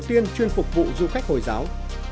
đầu tiên chuyên phục vụ du khách hồi giáo